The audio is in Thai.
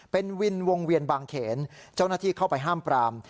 เป็นวินวงเวียนบางเขนเจ้าหน้าที่เข้าไปห้ามปราม